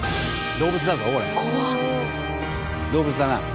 動物だな。